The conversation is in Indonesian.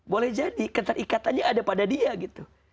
boleh jadi keterikatannya ada pada dia gitu